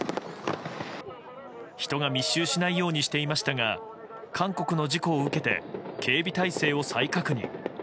人が密集しないようにしていましたが韓国の事故を受けて警備態勢を再確認。